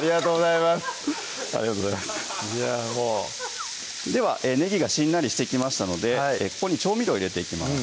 いやぁもうではねぎがしんなりしてきましたのでここに調味料入れていきます